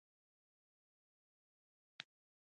ای مشره په کابل کې د څرخکو غم وخوره.